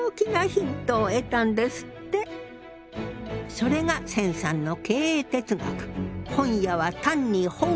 それが銭さんの経営哲学。